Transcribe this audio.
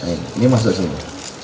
ini masuk sini